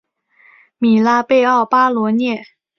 米拉贝奥巴罗涅。